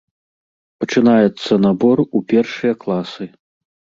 Пачынаецца набор у першыя класы.